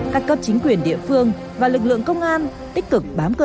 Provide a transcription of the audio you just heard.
cắt cấp chính quyền địa phương và lực lượng công an tích cực bám cực